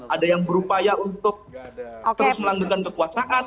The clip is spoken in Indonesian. ada yang berupaya untuk terus melanggerkan kekuasaan